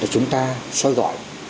chúng ta xoay gọi